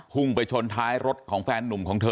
ฮุ่งไปชนท้ายรถเฟ้นหนุ่มของเธอ